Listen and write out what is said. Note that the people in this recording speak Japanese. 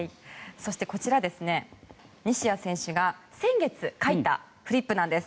そして、こちら西矢選手が先月書いたフリップなんです。